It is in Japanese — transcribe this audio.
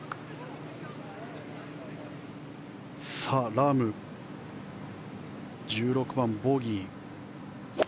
ラーム、１６番はボギー。